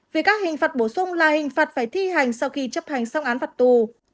vì các hình phạt bổ sung là hình phạt phải thi hành sau khi chấp hành xong án phạt tù